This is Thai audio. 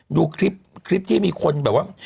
ดูคลิปที่มีคนแบบว่า